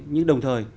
nhưng đồng thời